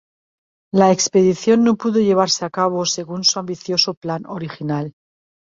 La expedición no pudo llevarse a cabo según su ambicioso plan original.